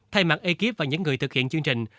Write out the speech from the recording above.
thay mặt ekip và những người thực hiện chương trình